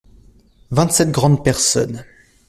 Vingt-sept grandes personnes.